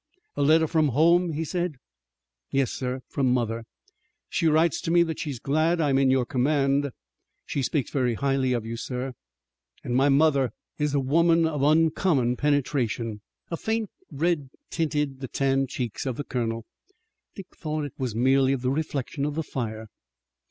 "A letter from home?" he said. "Yes, sir, from mother. She writes to me that she is glad I am in your command. She speaks very highly of you, sir, and my mother is a woman of uncommon penetration." A faint red tinted the tanned cheeks of the colonel. Dick thought it was merely the reflection of the fire.